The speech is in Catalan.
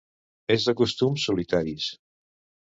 És de costums solitaris.